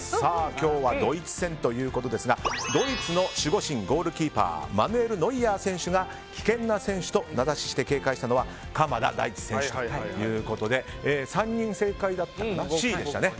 今日はドイツ戦ということですがドイツの守護神ゴールキーパーマヌエル・ノイアー選手が危険な選手と名指しして警戒したのは鎌田大地選手ということで３人正解でしたかね。